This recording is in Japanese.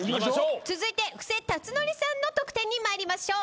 続いて布施辰徳さんの得点に参りましょう。